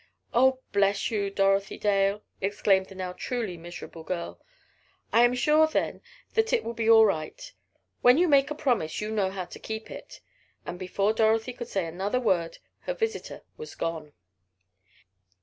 "Oh, bless you, Dorothy Dale!" exclaimed the now truly miserable girl. "I am sure, then, that it will be all right. When you make a promise you know how to keep it!" and before Dorothy could say another word her visitor was gone.